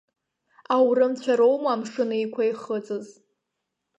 Аурымцәа роума Амшын Еиқәа ихыҵыз?